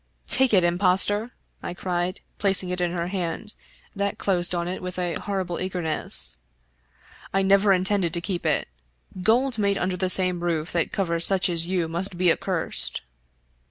" Take it, impostor !" I cried, placing it in her hand, that closed on it with a horrible eagerness. " I never intended to keep it. Gold made under the same roof that covers such as you must be accursed."